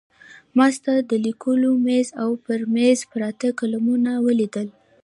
ما ستا د لیکلو مېز او پر مېز پراته قلمونه ولیدل.